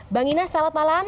bang inas selamat malam